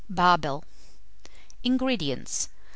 BARBEL. 229. INGREDIENTS.